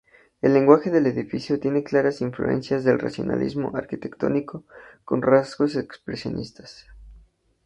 El lenguaje del edificio tiene claras influencias del racionalismo arquitectónico con rasgos expresionistas.